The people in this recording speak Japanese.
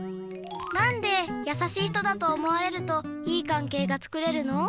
なんでやさしい人だと思われるといい関係がつくれるの？